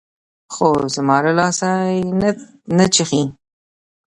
خو زما له لاسه يې نه چښي.